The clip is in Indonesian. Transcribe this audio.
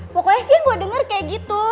pokoknya sih yang gue denger kayak gitu